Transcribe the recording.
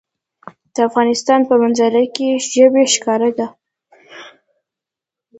د افغانستان په منظره کې ژبې ښکاره ده.